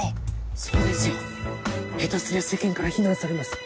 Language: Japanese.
そうですよ下手すりゃ世間から非難されます。